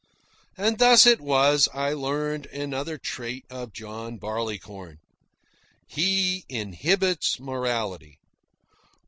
And thus it was I learned another trait of John Barleycorn. He inhibits morality.